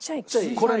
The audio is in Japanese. これね